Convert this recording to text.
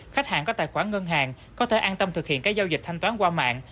khách hàng có tài khoản ngân hàng có thể an tâm thực hiện các giao dịch thanh toán qua mạng